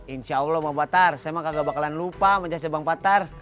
insya allah bang patar saya mah gak bakalan lupa menjaga bang patar